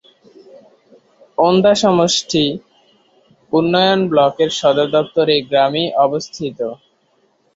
ওন্দা সমষ্টি উন্নয়ন ব্লকের সদর দফতর এই গ্রামেই অবস্থিত।